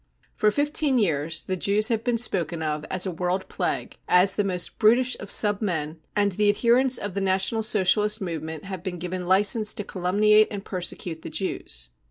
For fifteen years the Jews have been spoken of as a world plague, as the most brutish of sub men, and the adherents of the National Socialist movement have been given license to calumniate and persecute the Jews.